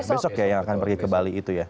besok ya yang akan pergi ke bali itu ya